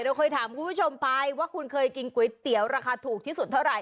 เราเคยถามคุณผู้ชมไปว่าคุณเคยกินก๋วยเตี๋ยวราคาถูกที่สุดเท่าไหร